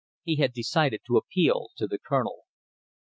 He had decided to appeal to the Colonel.